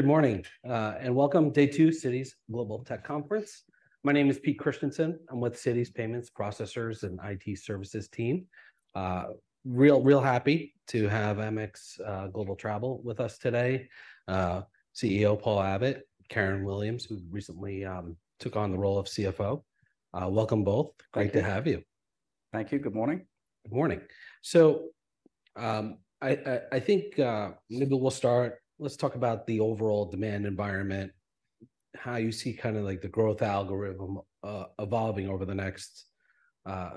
Good morning, and welcome to day two, Citi Global Tech Conference. My name is Peter Christiansen. I'm with Citi Payments Processors and IT Services team. Real, real happy to have Amex Global Travel with us today. CEO Paul Abbott, Karen Williams, who recently took on the role of CFO. Welcome both. Thank you. Great to have you. Thank you. Good morning. Good morning. So, I think maybe we'll start. Let's talk about the overall demand environment, how you see kind of like the growth algorithm evolving over the next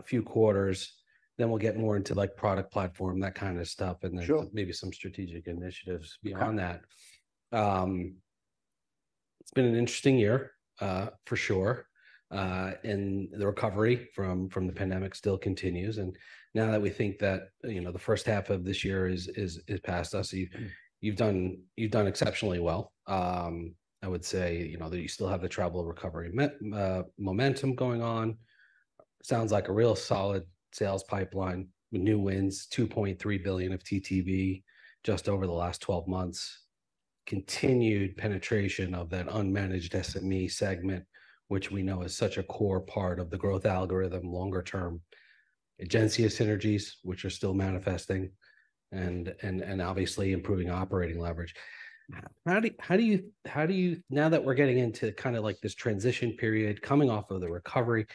few quarters. Then we'll get more into, like, product platform, that kind of stuff. Sure. And then maybe some strategic initiatives beyond that. Okay. It's been an interesting year, for sure. And the recovery from the pandemic still continues, and now that we think that, you know, the H1 of this year is past us, you- Mm. You've done, you've done exceptionally well. I would say, you know, that you still have the travel recovery momentum going on. Sounds like a real solid sales pipeline, with new wins, $2.3 billion of TTV, just over the last 12 months. Continued penetration of that unmanaged SME segment, which we know is such a core part of the growth algorithm, longer term. Egencia synergies, which are still manifesting, and obviously improving operating leverage. How do you now that we're getting into kind of like this transition period, coming off of the recovery,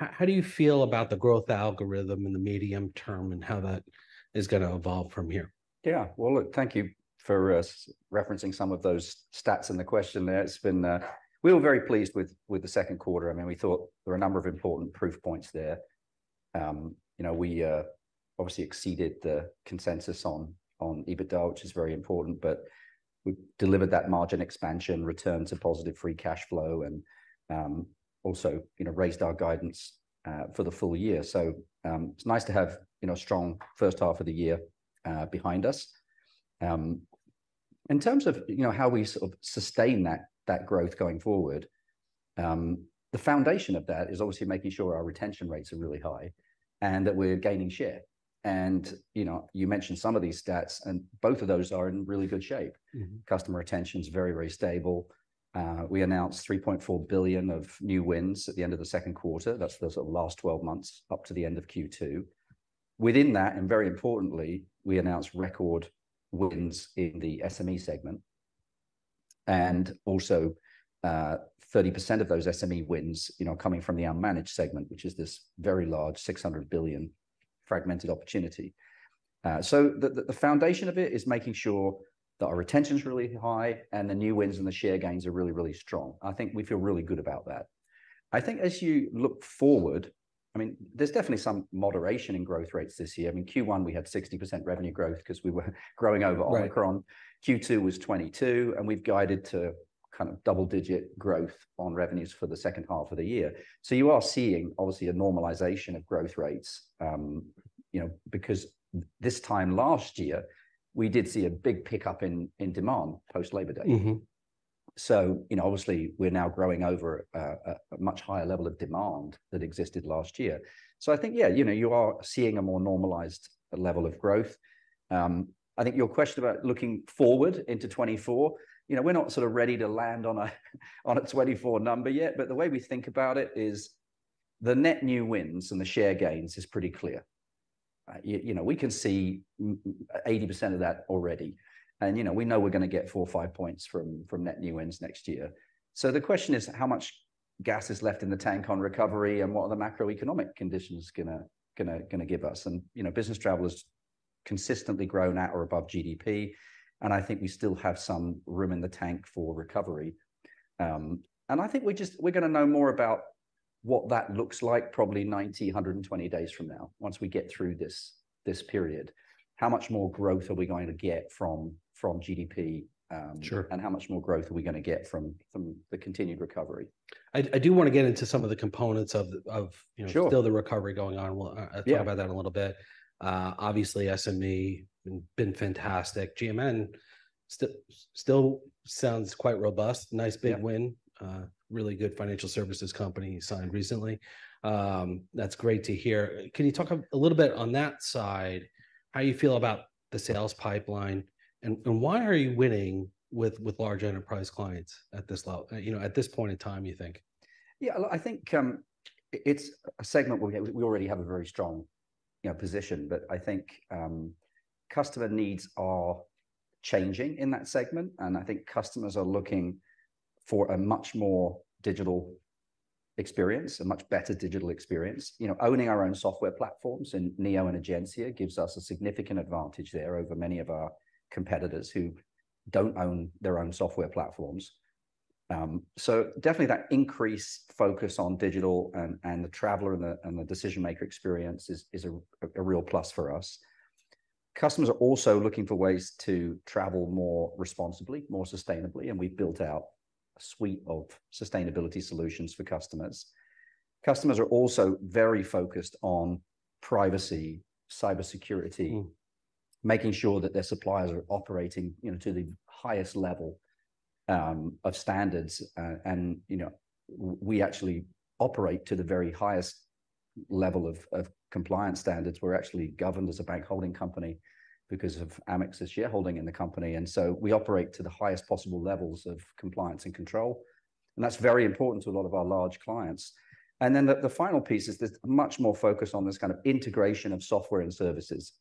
how do you feel about the growth algorithm in the medium term, and how that is gonna evolve from here? Yeah. Well, look, thank you for referencing some of those stats in the question there. It's been. We were very pleased with the Q2. I mean, we thought there were a number of important proof points there. You know, we obviously exceeded the consensus on EBITDA, which is very important, but we delivered that margin expansion, return to positive free cash flow, and also, you know, raised our guidance for the full year. So, it's nice to have, you know, strong H1 of the year behind us. In terms of, you know, how we sort of sustain that growth going forward, the foundation of that is obviously making sure our retention rates are really high, and that we're gaining share. You know, you mentioned some of these stats, and both of those are in really good shape. Mm-hmm. Customer retention is very, very stable. We announced $3.4 billion of new wins at the end of the Q2. That's those last 12 months, up to the end of Q2. Within that, and very importantly, we announced record wins in the SME segment. And also, 30% of those SME wins, you know, are coming from the unmanaged segment, which is this very large, $600 billion fragmented opportunity. So the foundation of it is making sure that our retention's really high, and the new wins and the share gains are really, really strong. I think we feel really good about that. I think as you look forward, I mean, there's definitely some moderation in growth rates this year. I mean, Q1, we had 60% revenue growth, 'cause we were growing over- Right Omicron. Q2 was 22, and we've guided to kind of double-digit growth on revenues for the H2 of the year. So you are seeing, obviously, a normalization of growth rates. You know, because this time last year, we did see a big pickup in demand, post-Labor Day. Mm-hmm. So, you know, obviously, we're now growing over a much higher level of demand that existed last year. So I think, yeah, you know, you are seeing a more normalized level of growth. I think your question about looking forward into 2024, you know, we're not sort of ready to land on a, on a 2024 number yet, but the way we think about it is, the net new wins and the share gains is pretty clear. You know, we can see eighty percent of that already. And, you know, we know we're gonna get four or five points from net new wins next year. So the question is, how much gas is left in the tank on recovery, and what are the macroeconomic conditions gonna give us? You know, business travel has consistently grown at or above GDP, and I think we still have some room in the tank for recovery. I think we just, we're gonna know more about what that looks like, probably 90, 100, and 120 days from now, once we get through this, this period. How much more growth are we going to get from, from GDP? Sure And how much more growth are we gonna get from the continued recovery? I do wanna get into some of the components of, you know- Sure Still the recovery going on. We'll, Yeah Talk about that a little bit. Obviously, SME been fantastic. GMN still sounds quite robust. Yeah. Nice big win. Really good financial services company you signed recently. That's great to hear. Can you talk a little bit on that side, how you feel about the sales pipeline, and why are you winning with large enterprise clients at this level, you know, at this point in time, you think? Yeah, well, I think, it, it's a segment where we, we already have a very strong, you know, position, but I think, customer needs are changing in that segment, and I think customers are looking for a much more digital experience, a much better digital experience. You know, owning our own software platforms, and Neo and Egencia, gives us a significant advantage there over many of our competitors who don't own their own software platforms. So definitely that increased focus on digital and the traveler and the decision maker experience is a real plus for us. Customers are also looking for ways to travel more responsibly, more sustainably, and we've built out a suite of sustainability solutions for customers. Customers are also very focused on privacy, cybersecurity- Mm Making sure that their suppliers are operating, you know, to the highest level of standards. And, you know, we actually operate to the very highest level of compliance standards. We're actually governed as a bank holding company because of Amex's shareholding in the company, and so we operate to the highest possible levels of compliance and control, and that's very important to a lot of our large clients. And then the final piece is there's much more focus on this kind of integration of software and services,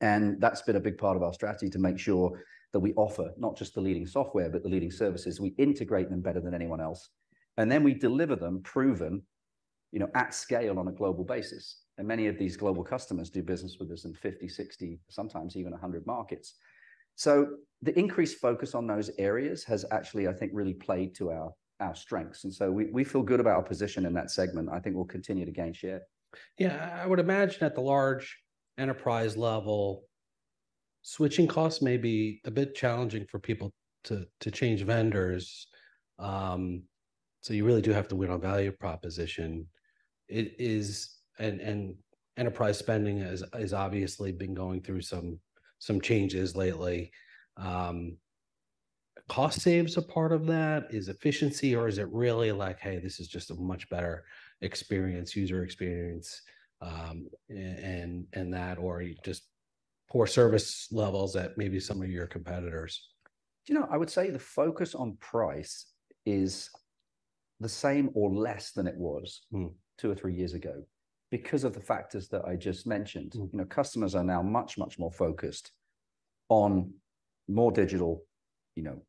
and that's been a big part of our strategy to make sure that we offer not just the leading software, but the leading services. We integrate them better than anyone else, and then we deliver them proven, you know, at scale on a global basis, and many of these global customers do business with us in 50, 60, sometimes even 100 markets. So the increased focus on those areas has actually, I think, really played to our, our strengths, and so we, we feel good about our position in that segment. I think we'll continue to gain share. Yeah, I would imagine at the large enterprise level, switching costs may be a bit challenging for people to change vendors. So you really do have to win on value proposition. And enterprise spending has obviously been going through some changes lately. Are cost saves a part of that, is efficiency, or is it really like, "Hey, this is just a much better experience, user experience," and that, or just poor service levels at maybe some of your competitors? Do you know, I would say the focus on price is the same or less than it was- Mm Two or three years ago because of the factors that I just mentioned. Mm. You know, customers are now much, much more focused on more digital, you know,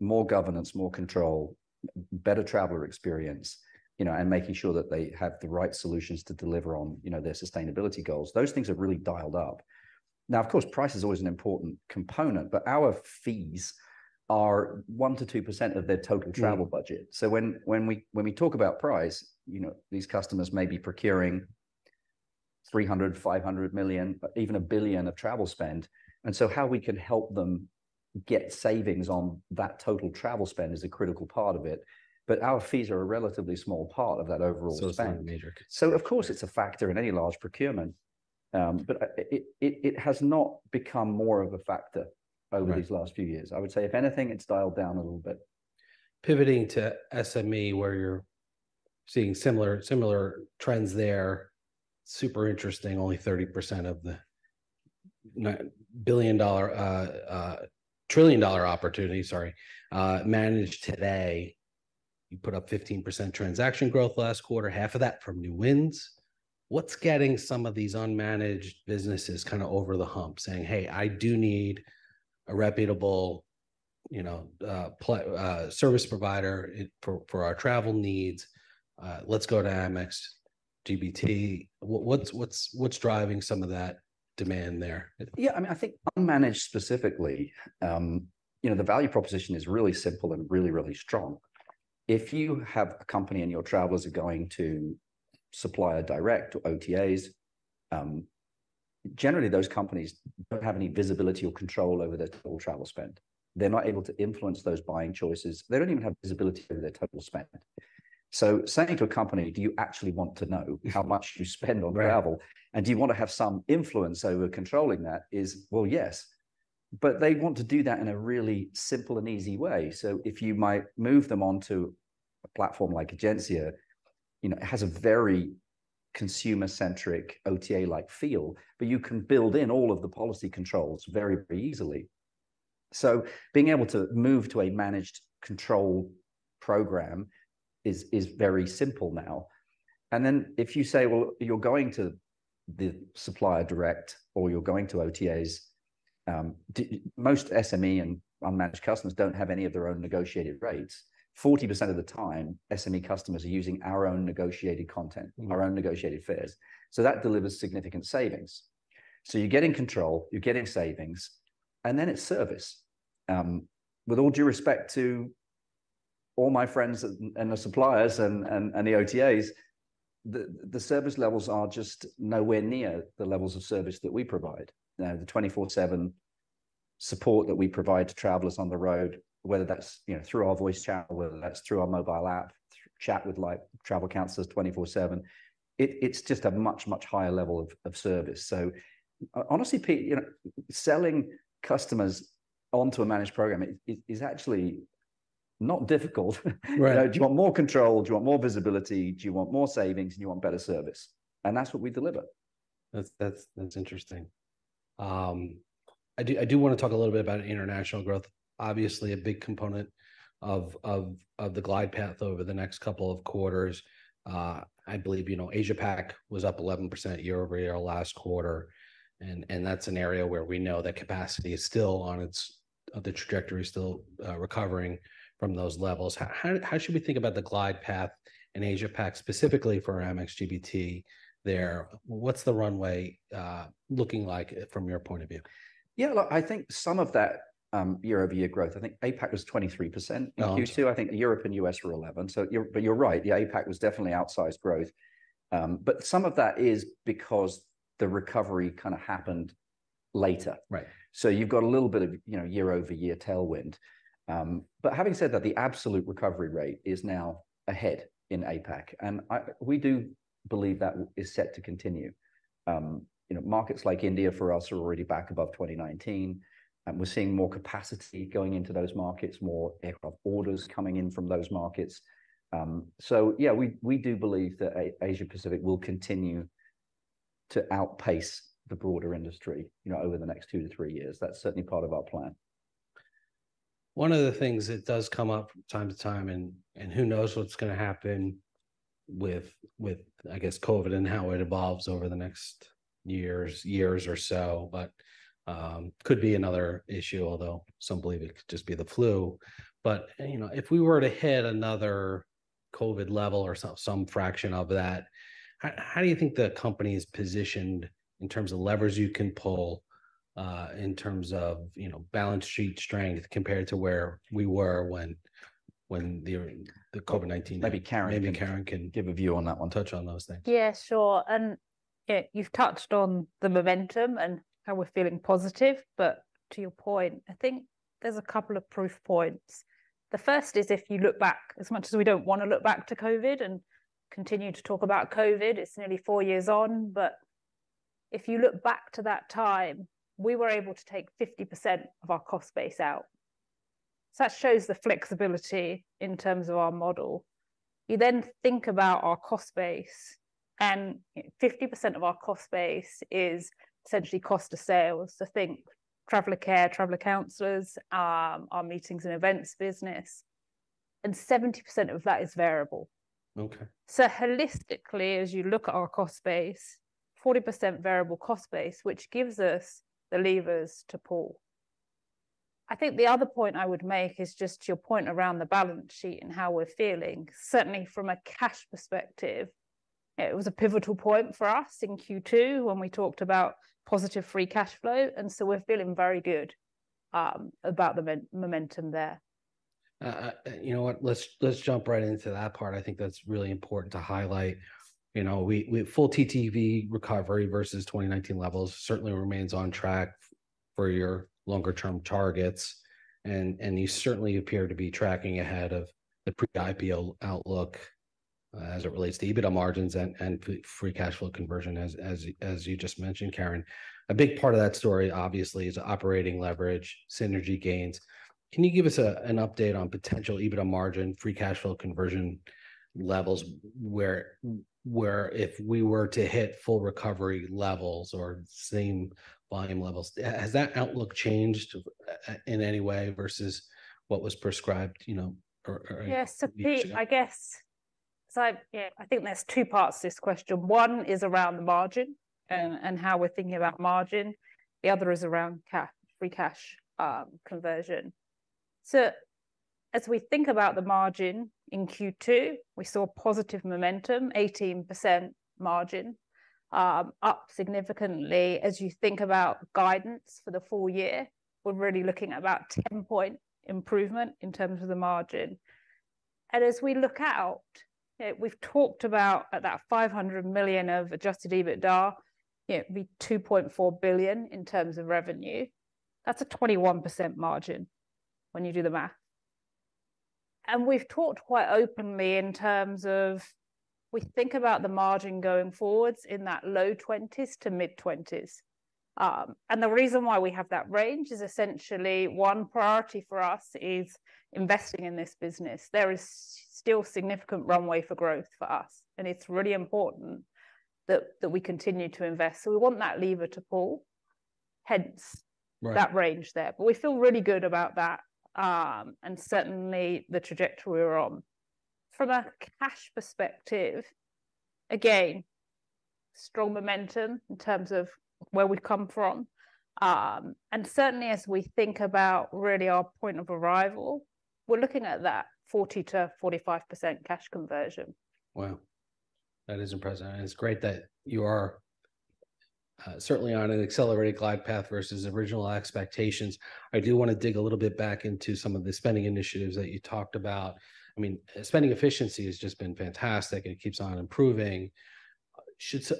more governance, more control, better traveler experience, you know, and making sure that they have the right solutions to deliver on, you know, their sustainability goals. Those things have really dialed up. Now, of course, price is always an important component, but our fees are 1%-2% of their total- Mm Travel budget. So when we talk about price, you know, these customers may be procuring $300 million, $500 million, even $1 billion of travel spend, and so how we can help them get savings on that total travel spend is a critical part of it, but our fees are a relatively small part of that overall spend. It's not major. So of course, it's a factor in any large procurement, but it has not become more of a factor- Right Over these last few years. I would say, if anything, it's dialed down a little bit. Pivoting to SME, where you're seeing similar trends there, super interesting. Only 30% of the trillion-dollar opportunity, sorry, managed today. You put up 15% transaction growth last quarter, half of that from new wins. What's getting some of these unmanaged businesses kind of over the hump, saying, "Hey, I do need a reputable, you know, service provider for our travel needs. Let's go to Amex GBT." What's driving some of that demand there? Yeah, I mean, I think unmanaged specifically, you know, the value proposition is really simple and really, really strong. If you have a company and your travelers are going to supplier direct or OTAs, generally those companies don't have any visibility or control over their total travel spend. They're not able to influence those buying choices. They don't even have visibility over their total spend. So saying to a company, "Do you actually want to know how much you spend on travel? Right “And do you want to have some influence over controlling that?” Is, well, yes, but they want to do that in a really simple and easy way. So if you might move them onto a platform like Egencia, you know, it has a very consumer-centric, OTA-like feel, but you can build in all of the policy controls very easily. So being able to move to a managed control program is, is very simple now, and then if you say, “Well, you’re going to the supplier direct, or you’re going to OTAs,” most SME and unmanaged customers don’t have any of their own negotiated rates. 40% of the time, SME customers are using our own negotiated content- Mm Our own negotiated fares, so that delivers significant savings. So you're getting control, you're getting savings, and then it's service. With all due respect to all my friends and the suppliers and the OTAs, the service levels are just nowhere near the levels of service that we provide. You know, the 24/7 support that we provide to travelers on the road, whether that's, you know, through our voice chat, or whether that's through our mobile app, through chat with, like, travel counselors 24/7, it's just a much, much higher level of service. So honestly, Peter, you know, selling customers onto a managed programme is actually not difficult. Right. You know, do you want more control? Do you want more visibility? Do you want more savings, and you want better service? That's what we deliver. That's interesting. I want to talk a little bit about international growth. Obviously, a big component of the glide path over the next couple of quarters. I believe, you know, Asia Pac was up 11% year-over-year last quarter, and that's an area where we know that capacity is still on its... of the trajectory, still recovering from those levels. How should we think about the glide path in Asia Pac, specifically for Amex GBT there? What's the runway looking like from your point of view? Yeah, look, I think some of that year-over-year growth, I think APAC was 23%. Oh, okay. In Q2, I think Europe and U.S. were 11. So you're—but you're right, the APAC was definitely outsized growth, but some of that is because the recovery kind of happened later. Right. So you've got a little bit of, you know, year-over-year tailwind. But having said that, the absolute recovery rate is now ahead in APAC, and I, we do believe that is set to continue. You know, markets like India, for us, are already back above 2019, and we're seeing more capacity going into those markets, more aircraft orders coming in from those markets. So yeah, we, we do believe that Asia Pacific will continue to outpace the broader industry, you know, over the next 2-3 years. That's certainly part of our plan. One of the things that does come up from time to time, and who knows what's gonna happen with, I guess, COVID and how it evolves over the next years or so, but could be another issue, although some believe it could just be the flu. But, you know, if we were to hit another COVID level or some fraction of that, how do you think the company's positioned in terms of levers you can pull, in terms of, you know, balance sheet strength compared to where we were when the COVID-19- Maybe Karen can- Maybe Karen can- Give a view on that one. Touch on those things. Yeah, sure. And, yeah, you've touched on the momentum and how we're feeling positive, but to your point, I think there's a couple of proof points. The first is, if you look back, as much as we don't wanna look back to COVID and continue to talk about COVID, it's nearly four years on, but if you look back to that time, we were able to take 50% of our cost base out. So that shows the flexibility in terms of our model. You then think about our cost base, and 50% of our cost base is essentially cost to sales. So think traveler care, traveler counselors, our meetings and events business, and 70% of that is variable. Okay. Holistically, as you look at our cost base, 40% variable cost base, which gives us the levers to pull. I think the other point I would make is just your point around the balance sheet and how we're feeling. Certainly, from a cash perspective, it was a pivotal point for us in Q2 when we talked about positive free cash flow, and so we're feeling very good about the momentum there. You know what? Let's jump right into that part. I think that's really important to highlight. You know, Full TTV recovery versus 2019 levels certainly remains on track for your longer term targets, and you certainly appear to be tracking ahead of the pre-IPO outlook, as it relates to EBITDA margins and free cash flow conversion, as you just mentioned, Karen. A big part of that story, obviously, is operating leverage, synergy gains. Can you give us an update on potential EBITDA margin, free cash flow conversion levels, where if we were to hit full recovery levels or same volume levels, has that outlook changed in any way versus what was prescribed, you know, or- Yeah, Pete, I guess. Yeah, I think there's two parts to this question. One is around the margin and how we're thinking about margin, the other is around cash—free cash conversion. As we think about the margin, in Q2, we saw positive momentum, 18% margin, up significantly. As you think about guidance for the full year, we're really looking at about 10-point improvement in terms of the margin. As we look out, we've talked about at that $500 million of adjusted EBITDA, it'd be $2.4 billion in terms of revenue. That's a 21% margin when you do the math. We've talked quite openly in terms of we think about the margin going forwards in that low 20s to mid-20s. The reason why we have that range is essentially one priority for us is investing in this business. There is still significant runway for growth for us, and it's really important that, that we continue to invest. So we want that lever to pull, hence- Right That range there. But we feel really good about that, and certainly the trajectory we're on. From a cash perspective, again, strong momentum in terms of where we've come from. And certainly as we think about really our point of arrival, we're looking at that 40%-45% cash conversion. Wow, that is impressive, and it's great that you are certainly on an accelerated glide path versus original expectations. I do wanna dig a little bit back into some of the spending initiatives that you talked about. I mean, spending efficiency has just been fantastic, and it keeps on improving. Should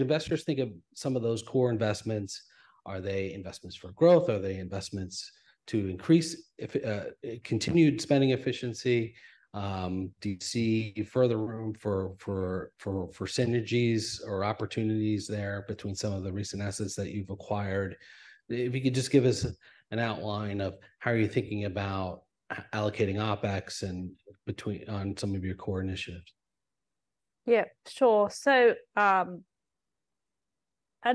investors think of some of those core investments, are they investments for growth, are they investments to increase if continued spending efficiency? Do you see further room for synergies or opportunities there between some of the recent assets that you've acquired? If you could just give us an outline of how are you thinking about allocating OpEx and between on some of your core initiatives? Yeah, sure. So, and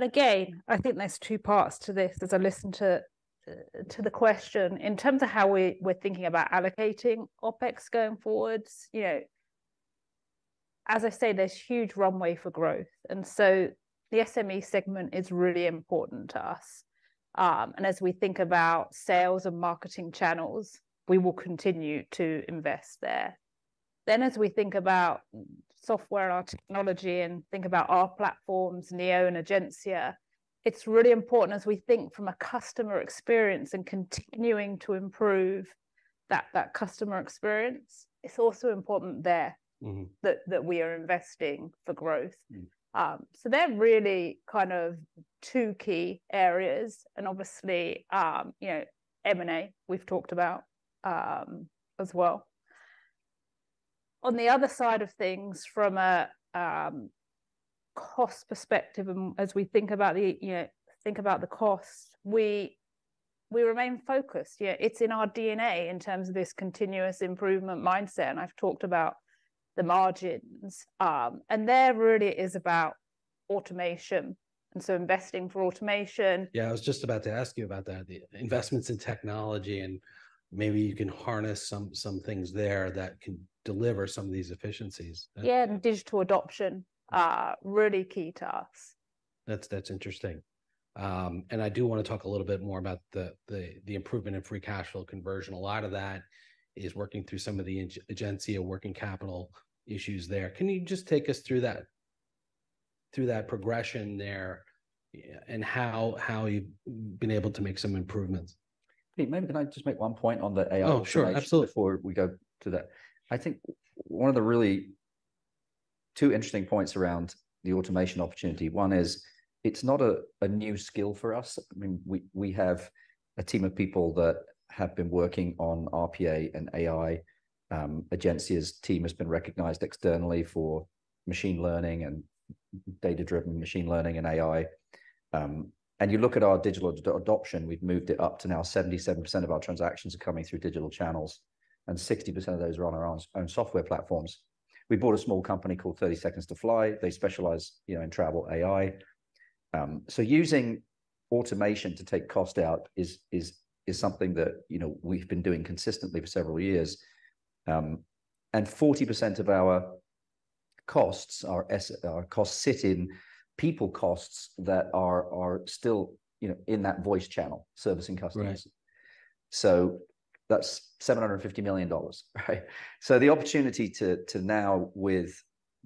again, I think there's two parts to this as I listen to the question. In terms of how we're thinking about allocating OpEx going forward, you know, as I say, there's huge runway for growth, and so the SME segment is really important to us. And as we think about sales and marketing channels, we will continue to invest there. Then, as we think about software and our technology and think about our platforms, Neo and Egencia, it's really important as we think from a customer experience and continuing to improve that customer experience, it's also important there- Mm-hmm That we are investing for growth. Mm. So they're really kind of two key areas, and obviously, you know, M&A, we've talked about, as well. On the other side of things, from a cost perspective and as we think about the, you know, cost, we remain focused. Yeah, it's in our DNA in terms of this continuous improvement mindset, and I've talked about the margins. And there really is about automation, and so investing for automation. Yeah, I was just about to ask you about that, the investments in technology, and maybe you can harness some things there that can deliver some of these efficiencies. Yeah, and digital adoption are really key to us. That's, that's interesting. And I do wanna talk a little bit more about the improvement in free cash flow conversion. A lot of that is working through some of the in-Egencia working capital issues there. Can you just take us through that progression there, yeah, and how you've been able to make some improvements? Pete, maybe can I just make one point on the AI- Oh, sure. Absolutely. Before we go to that? I think one of the really two interesting points around the automation opportunity, one is, it's not a new skill for us. I mean, we have a team of people that have been working on OPI and AI. Egencia's team has been recognized externally for machine learning and data-driven machine learning and AI. And you look at our digital adoption, we've moved it up to now 77% of our transactions are coming through digital channels, and 60% of those are on our own software platforms. We bought a small company called 30 Seconds to Fly. They specialize, you know, in travel AI. So using automation to take cost out is something that, you know, we've been doing consistently for several years. 40% of our costs sit in people costs that are still, you know, in that voice channel, servicing customers. Right. So that's $750 million, right? So the opportunity to now, with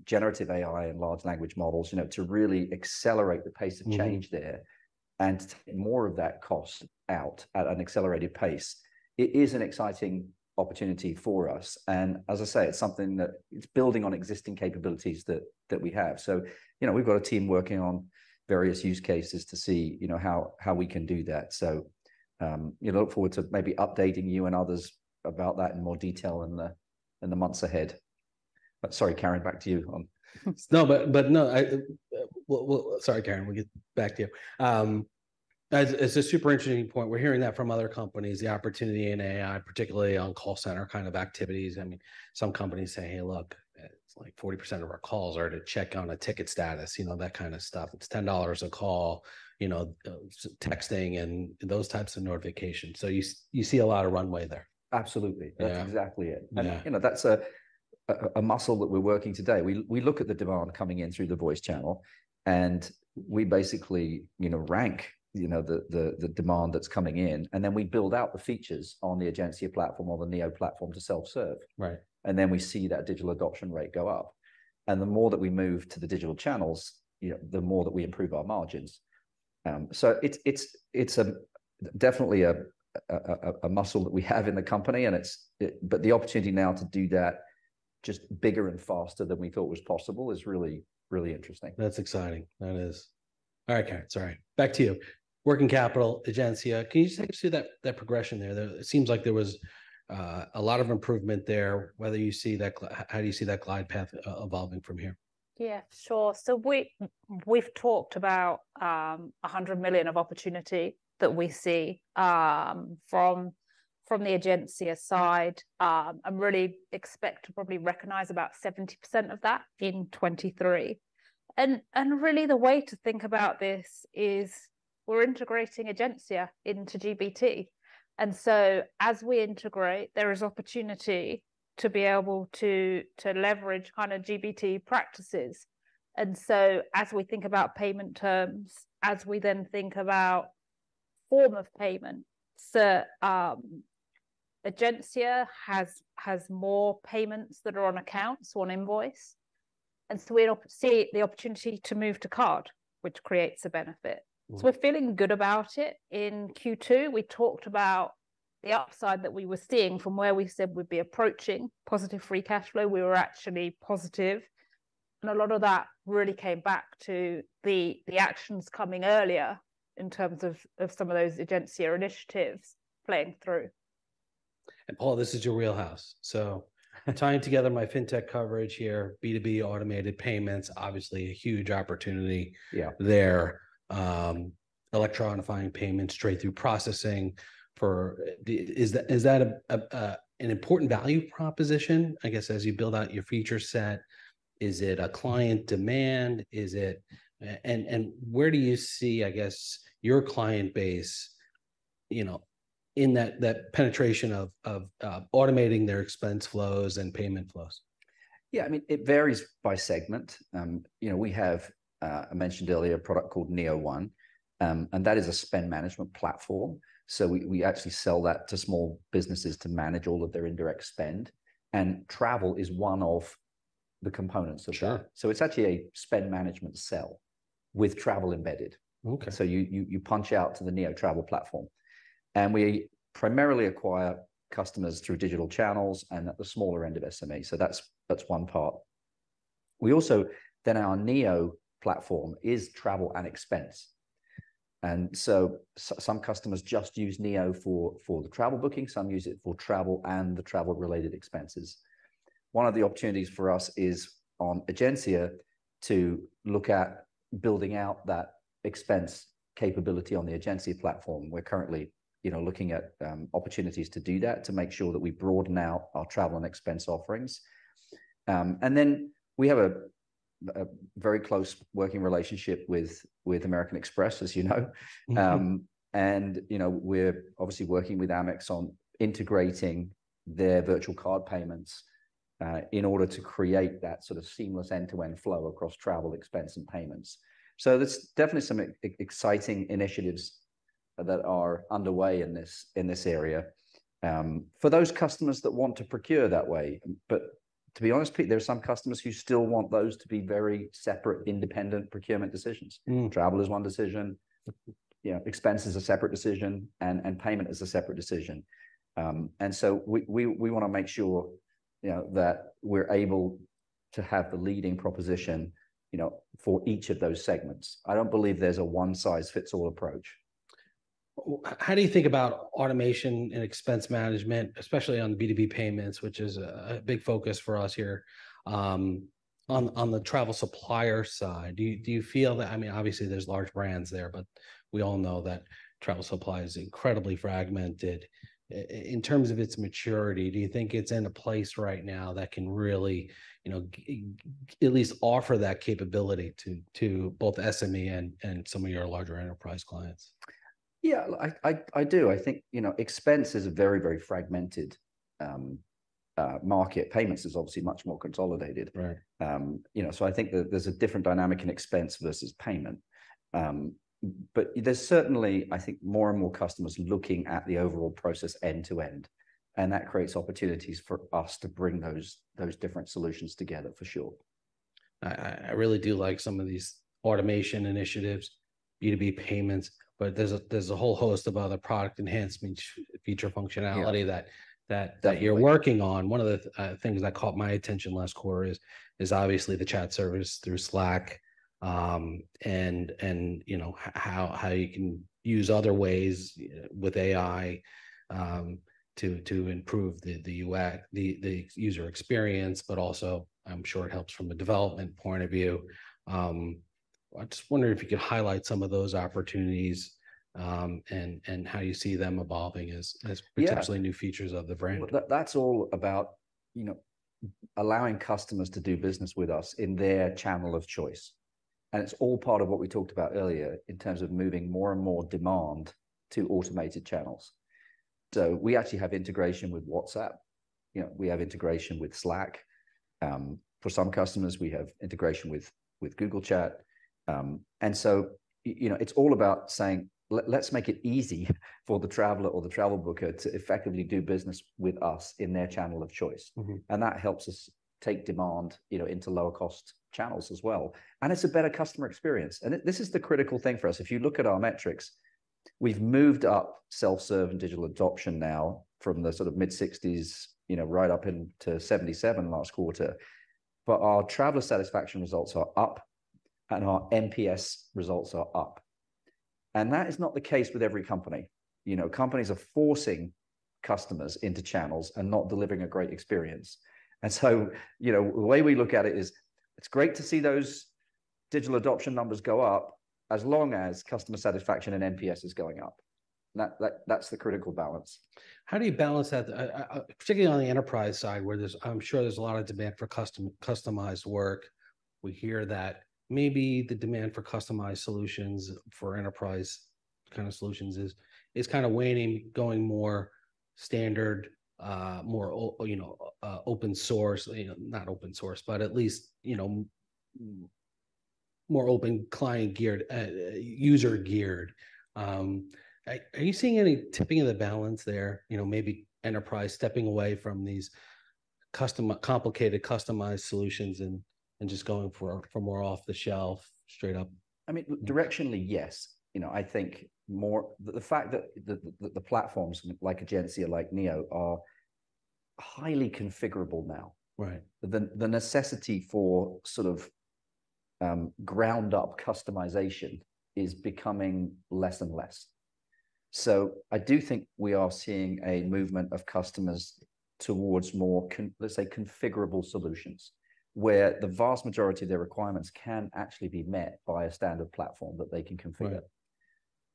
Generative AI and Large Language Models, you know, to really accelerate the pace of change- Mm There and take more of that cost out at an accelerated pace, it is an exciting opportunity for us. And as I say, it's something that it's building on existing capabilities that we have. So, you know, we've got a team working on various use cases to see, you know, how we can do that. So, I look forward to maybe updating you and others about that in more detail in the months ahead. But sorry, Karen, back to you on. No, but no, sorry, Karen, we'll get back to you. That's a super interesting point. We're hearing that from other companies, the opportunity in AI, particularly on call center kind of activities. I mean, some companies say, "Hey, look, like 40% of our calls are to check on a ticket status," you know, that kind of stuff. It's $10 a call, you know, texting and those types of notifications. So you see a lot of runway there. Absolutely. Yeah. That's exactly it. Yeah. You know, that's a muscle that we're working today. We look at the demand coming in through the voice channel, and we basically, you know, rank the demand that's coming in, and then we build out the features on the Egencia platform or the Neo platform to self-serve. Right. Then we see that digital adoption rate go up, and the more that we move to the digital channels, you know, the more that we improve our margins. So it's definitely a muscle that we have in the company, and it's. But the opportunity now to do that just bigger and faster than we thought was possible is really, really interesting. That's exciting. That is. All right, Karen, sorry. Back to you. Working capital, Egencia, can you just take us through that, that progression there, though? It seems like there was a lot of improvement there. Whether you see that, how do you see that glide path evolving from here? Yeah, sure. So we, we've talked about $100 million of opportunity that we see from the Egencia side. And really expect to probably recognize about 70% of that in 2023. And really the way to think about this is we're integrating Egencia into GBT, and so as we integrate, there is opportunity to be able to leverage kind of GBT practices. And so as we think about payment terms, as we then think about form of payment, so Egencia has more payments that are on accounts, on invoice, and so we see the opportunity to move to card, which creates a benefit. Mm. So we're feeling good about it. In Q2, we talked about the upside that we were seeing from where we said we'd be approaching positive free cash flow. We were actually positive, and a lot of that really came back to the actions coming earlier in terms of some of those Egencia initiatives playing through. Paul, this is your wheelhouse, so tying together my fintech coverage here, B2B automated payments, obviously a huge opportunity. Yeah There. Electronifying payments straight through processing for the. Is that an important value proposition, I guess, as you build out your feature set? Is it a client demand? Is it. And where do you see, I guess, your client base, you know, in that penetration of automating their expense flows and payment flows? Yeah, I mean, it varies by segment. You know, we have, I mentioned earlier, a product called Neo1, and that is a spend management platform. So we actually sell that to small businesses to manage all of their indirect spend, and travel is one of the components of that. Sure. It's actually a spend management sale with travel embedded. Okay. So you punch out to the Neo travel platform, and we primarily acquire customers through digital channels and at the smaller end of SME. So that's one part. We also then our Neo platform is travel and expense, and so some customers just use Neo for the travel booking, some use it for travel and the travel-related expenses. One of the opportunities for us is on Egencia to look at building out that expense capability on the Egencia platform. We're currently, you know, looking at opportunities to do that, to make sure that we broaden out our travel and expense offerings. And then we have a very close working relationship with American Express, as you know. Mm-hmm. You know, we're obviously working with Amex on integrating their virtual card payments, in order to create that sort of seamless end-to-end flow across travel, expense, and payments. So there's definitely some exciting initiatives that are underway in this area, for those customers that want to procure that way. But to be honest, Pete, there are some customers who still want those to be very separate, independent procurement decisions. Mm. Travel is one decision, you know, expense is a separate decision, and payment is a separate decision. And so we wanna make sure, you know, that we're able to have the leading proposition, you know, for each of those segments. I don't believe there's a one-size-fits-all approach. How do you think about automation and expense management, especially on B2B payments, which is a big focus for us here, on the travel supplier side? Do you feel that. I mean, obviously there's large brands there, but we all know that travel supply is incredibly fragmented. In terms of its maturity, do you think it's in a place right now that can really, you know, at least offer that capability to both SME and some of your larger enterprise clients? Yeah, I do. I think, you know, expense is a very, very fragmented market. Payments is obviously much more consolidated. Right. You know, so I think that there's a different dynamic in expense versus payment. But there's certainly, I think, more and more customers looking at the overall process end to end, and that creates opportunities for us to bring those, those different solutions together, for sure. I really do like some of these automation initiatives, B2B payments, but there's a whole host of other product enhancement feature functionality- Yeah That you're working on. One of the things that caught my attention last quarter is obviously the chat service through Slack, and you know, how you can use other ways with AI to improve the UX, the user experience, but also I'm sure it helps from a development point of view. I just wonder if you could highlight some of those opportunities, and how you see them evolving as- Yeah Potentially new features of the brand. Well, that's all about, you know, allowing customers to do business with us in their channel of choice. And it's all part of what we talked about earlier in terms of moving more and more demand to automated channels. So we actually have integration with WhatsApp, you know, we have integration with Slack. For some customers, we have integration with Google Chat. And so you know, it's all about saying, "Let's make it easy for the traveler or the travel booker to effectively do business with us in their channel of choice. Mm-hmm. That helps us take demand, you know, into lower cost channels as well, and it's a better customer experience. This, this is the critical thing for us. If you look at our metrics, we've moved up self-serve and digital adoption now from the sort of mid-60s, you know, right up into 77 last quarter, but our traveler satisfaction results are up, and our NPS results are up. That is not the case with every company. You know, companies are forcing customers into channels and not delivering a great experience. So, you know, the way we look at it is, it's great to see those digital adoption numbers go up as long as customer satisfaction and NPS is going up. That, that, that's the critical balance. How do you balance that, particularly on the enterprise side, where there's. I'm sure there's a lot of demand for customized work. We hear that maybe the demand for customized solutions, for enterprise kind of solutions is kind of waning, going more standard, more open source, you know, not open source, but at least, you know, more open client geared, user geared. Are you seeing any tipping of the balance there, you know, maybe enterprise stepping away from these complicated, customized solutions and just going for more off-the-shelf, straight-up? I mean, directionally, yes. You know, I think more. The fact that the platforms like Egencia, like Neo, are highly configurable now. Right. The necessity for sort of ground-up customization is becoming less and less. So I do think we are seeing a movement of customers towards more, let's say, configurable solutions, where the vast majority of their requirements can actually be met by a standard platform that they can configure.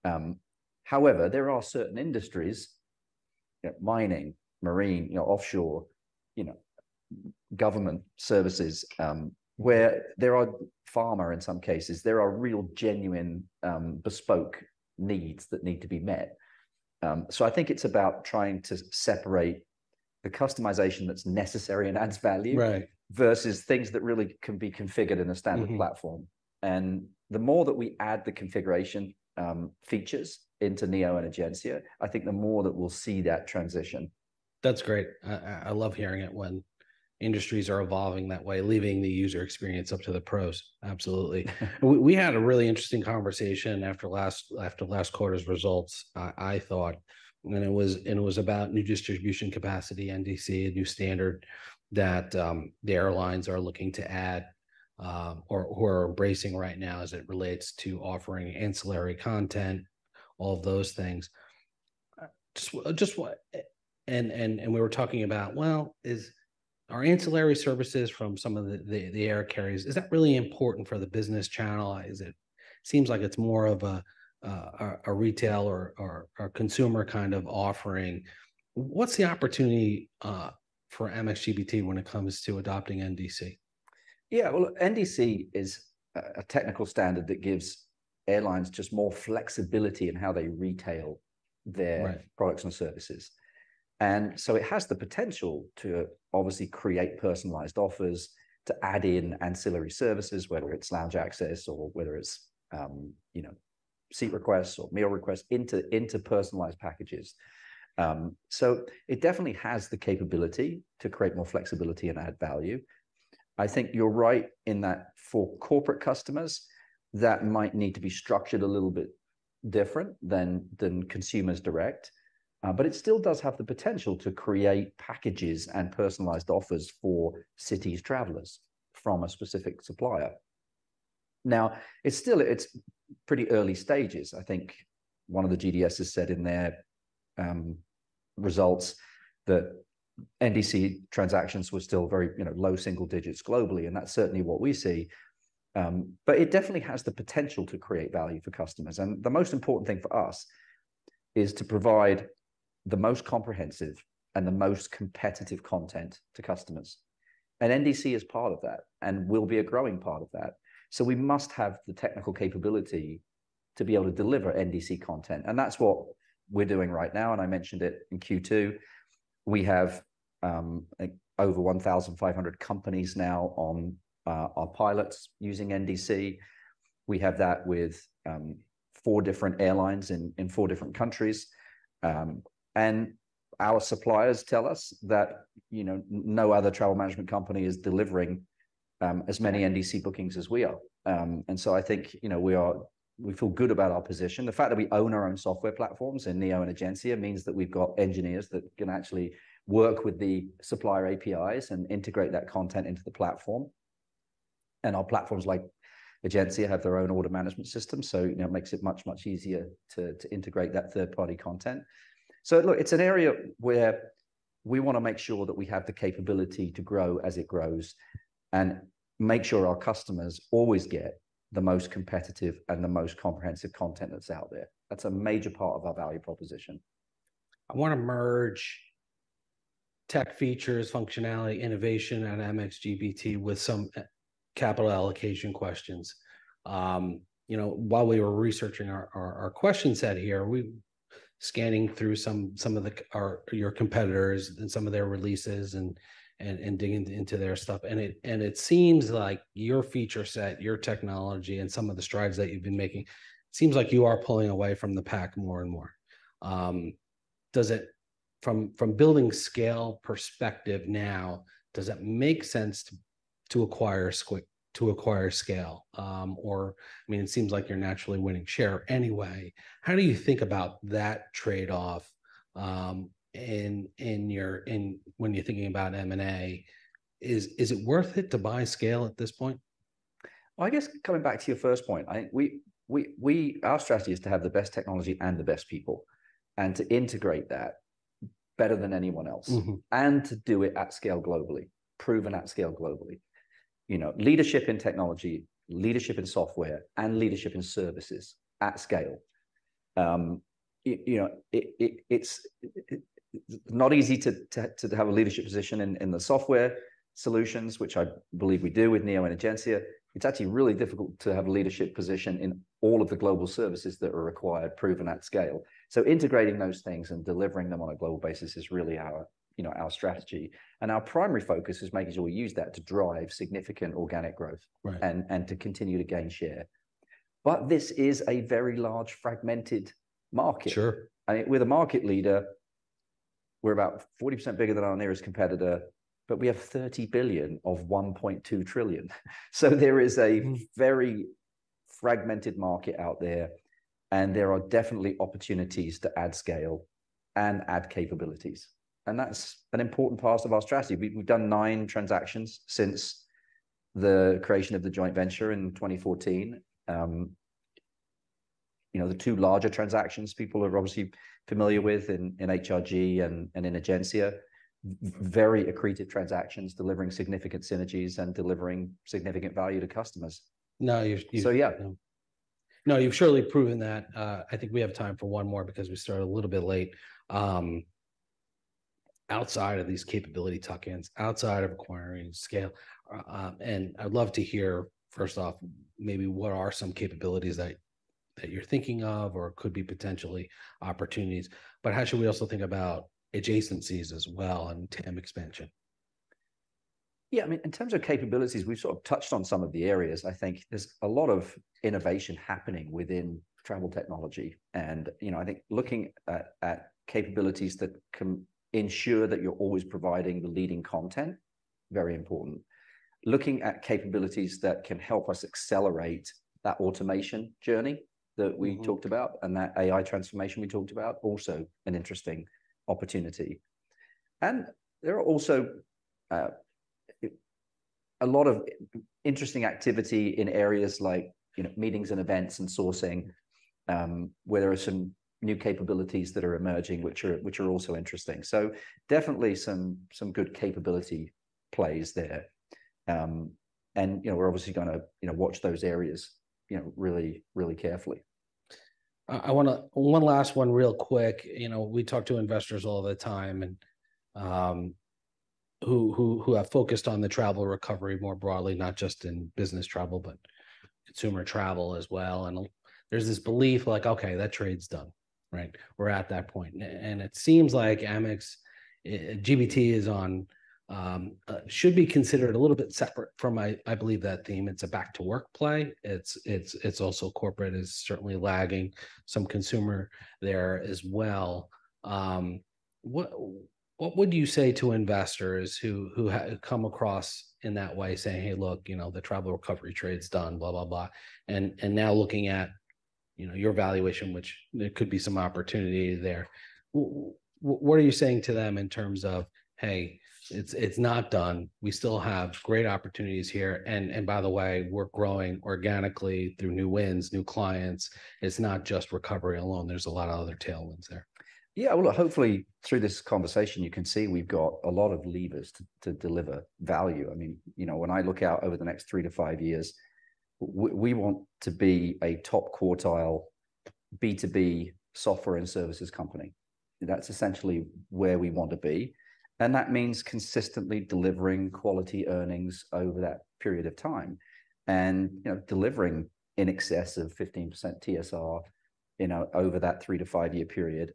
Right. However, there are certain industries, mining, marine, you know, offshore, you know, government services, pharma in some cases, where there are real, genuine, bespoke needs that need to be met. So I think it's about trying to separate the customization that's necessary and adds value. Right Versus things that really can be configured in a standard- Mm-hmm Platform. And the more that we add the configuration features into Neo and Egencia, I think the more that we'll see that transition. That's great. I love hearing it when industries are evolving that way, leaving the user experience up to the pros. Absolutely. We had a really interesting conversation after last quarter's results, I thought, and it was about New Distribution Capability, NDC, a new standard that the airlines are looking to add or are embracing right now as it relates to offering ancillary content, all of those things. Just what and we were talking about, well, is our ancillary services from some of the air carriers really important for the business channel? It seems like it's more of a retail or consumer kind of offering. What's the opportunity for Amex GBT when it comes to adopting NDC? Yeah, well, NDC is a technical standard that gives airlines just more flexibility in how they retail their- Right Products and services. And so it has the potential to obviously create personalized offers, to add in ancillary services, whether it's lounge access or whether it's, you know, seat requests or meal requests into personalized packages. So it definitely has the capability to create more flexibility and add value. I think you're right in that for corporate customers, that might need to be structured a little bit different than consumers direct. But it still does have the potential to create packages and personalized offers for corporate travelers from a specific supplier. Now, it's still pretty early stages. I think one of the GDSs said in their results that NDC transactions were still very, you know, low single digits globally, and that's certainly what we see. But it definitely has the potential to create value for customers. The most important thing for us is to provide the most comprehensive and the most competitive content to customers. NDC is part of that, and will be a growing part of that. So we must have the technical capability to be able to deliver NDC content, and that's what we're doing right now, and I mentioned it in Q2. We have over 1,500 companies now on our pilots using NDC. We have that with four different airlines in four different countries. And our suppliers tell us that, you know, no other travel management company is delivering as many NDC bookings as we are. And so I think, you know, we feel good about our position. The fact that we own our own software platforms in Neo and Egencia means that we've got engineers that can actually work with the supplier APIs and integrate that content into the platform. And our platforms, like Egencia, have their own order management system, so, you know, it makes it much, much easier to, to integrate that third-party content. So look, it's an area where we want to make sure that we have the capability to grow as it grows, and make sure our customers always get the most competitive and the most comprehensive content that's out there. That's a major part of our value proposition. I want to merge tech features, functionality, innovation at Amex GBT with some capital allocation questions. You know, while we were researching our question set here, we scanning through some of the... your competitors and some of their releases and digging into their stuff, and it seems like your feature set, your technology, and some of the strides that you've been making, seems like you are pulling away from the pack more and more. Does it, from building scale perspective now, make sense to acquire Scale? Or, I mean, it seems like you're naturally winning share anyway. How do you think about that trade-off in your... in when you're thinking about M&A, is it worth it to buy Scale at this point? Well, I guess coming back to your first point, I think our strategy is to have the best technology and the best people, and to integrate that better than anyone else- Mm-hmm And to do it at scale globally, proven at scale globally. You know, leadership in technology, leadership in software, and leadership in services at scale. You know, it's not easy to have a leadership position in the software solutions, which I believe we do with Neo and Egencia. It's actually really difficult to have a leadership position in all of the global services that are required, proven at scale. So integrating those things and delivering them on a global basis is really our, you know, our strategy. And our primary focus is making sure we use that to drive significant organic growth- Right And to continue to gain share. But this is a very large, fragmented market. Sure. We're the market leader, we're about 40% bigger than our nearest competitor, but we have $30 billion of $1.2 trillion. So there is a very fragmented market out there, and there are definitely opportunities to add scale and add capabilities, and that's an important part of our strategy. We've done nine transactions since the creation of the joint venture in 2014. You know, the two larger transactions people are obviously familiar with in HRG and in Egencia, very accretive transactions, delivering significant synergies and delivering significant value to customers. No, you've- So yeah. No, you've surely proven that. I think we have time for one more because we started a little bit late. Outside of these capability tuck-ins, outside of acquiring scale, and I'd love to hear, first off, maybe what are some capabilities that you're thinking of or could be potentially opportunities, but how should we also think about adjacencies as well and TAM expansion? Yeah, I mean, in terms of capabilities, we've sort of touched on some of the areas. I think there's a lot of innovation happening within travel technology. And, you know, I think looking at capabilities that can ensure that you're always providing the leading content, very important. Looking at capabilities that can help us accelerate that automation journey that we- Mm-hmm Talked about and that AI transformation we talked about, also an interesting opportunity. There are also a lot of interesting activity in areas like, you know, meetings and events and sourcing, where there are some new capabilities that are emerging, which are also interesting. Definitely some good capability plays there. And, you know, we're obviously gonna, you know, watch those areas, you know, really, really carefully. I want one last one real quick. You know, we talk to investors all the time, and who have focused on the travel recovery more broadly, not just in business travel, but consumer travel as well. And there's this belief like, "Okay, that trade's done," right? We're at that point. And it seems like Amex GBT should be considered a little bit separate from, I believe, that theme. It's a back to work play. It's also corporate is certainly lagging some consumer there as well. What would you say to investors who have come across in that way, saying, "Hey, look, you know, the travel recovery trade's done, blah, blah, blah." And now looking at, you know, your valuation, which there could be some opportunity there. What are you saying to them in terms of, "Hey, it's not done. We still have great opportunities here. And by the way, we're growing organically through new wins, new clients. It's not just recovery alone. There's a lot of other tailwinds there"? Yeah, well, hopefully, through this conversation, you can see we've got a lot of levers to deliver value. I mean, you know, when I look out over the next 3-5 years, we want to be a top quartile B2B software and services company. That's essentially where we want to be, and that means consistently delivering quality earnings over that period of time. And, you know, delivering in excess of 15% TSR, you know, over that 3-5-year period,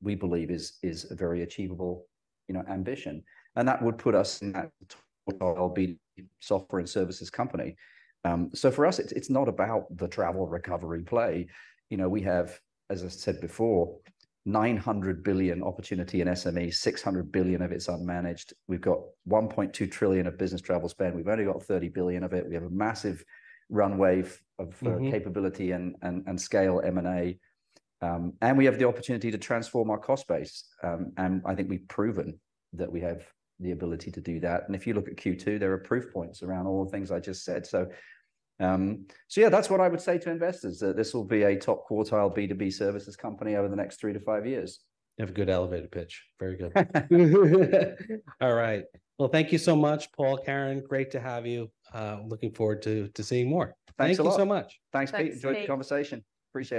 we believe is a very achievable, you know, ambition. And that would put us in that software and services company. So for us, it's not about the travel recovery play. You know, we have, as I said before, $900 billion opportunity in SME, $600 billion of it's unmanaged. We've got $1.2 trillion of business travel spend. We've only got $30 billion of it. We have a massive runway of- Mm-hmm Capability and scale M&A, and we have the opportunity to transform our cost base. And I think we've proven that we have the ability to do that. And if you look at Q2, there are proof points around all the things I just said. So yeah, that's what I would say to investors, that this will be a top quartile B2B services company over the next three to five years. You have a good elevator pitch. Very good. All right. Well, thank you so much, Paul, Karen, great to have you. Looking forward to, to seeing more. Thanks a lot. Thank you so much. Thanks, Pete. Thanks, Pete. Enjoyed the conversation. Appreciate it.